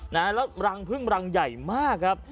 แล้วรังพึ่งรังใหญ่มากครับ